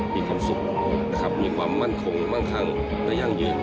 มีความสุขมีความมั่นคงมั่งคังได้ยั่งเยือน